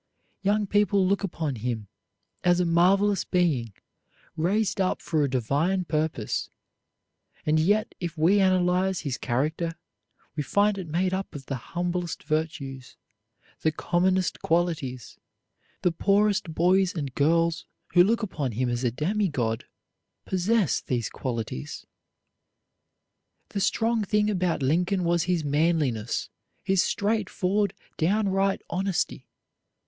Young people look upon him as a marvelous being, raised up for a divine purpose; and yet, if we analyze his character, we find it made up of the humblest virtues, the commonest qualities; the poorest boys and girls, who look upon him as a demigod, possess these qualities. The strong thing about Lincoln was his manliness, his straightforward, downright honesty.